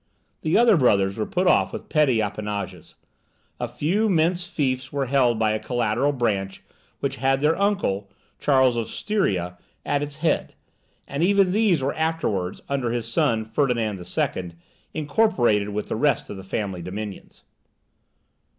The other brothers were put off with petty appanages. A few mesne fiefs were held by a collateral branch, which had their uncle, Charles of Styria, at its head; and even these were afterwards, under his son, Ferdinand the Second, incorporated with the rest of the family dominions.